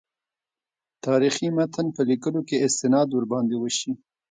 تاریخي متن په لیکلو کې استناد ورباندې وشي.